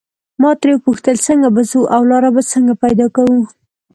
ما ترې وپوښتل څنګه به ځو او لاره به څنګه پیدا کوو.